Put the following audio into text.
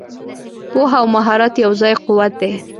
پوهه او مهارت یو ځای قوت دی.